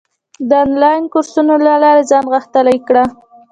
د انلاین کورسونو له لارې ځان غښتلی کړه.